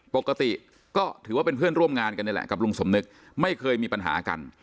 ปกติก็ถือว่าเป็นเพื่อนร่วมงานกันนี่แหละกับลุงสมนึกไม่เคยมีปัญหากัน